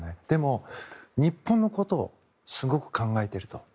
でも、日本のことをすごく考えていると。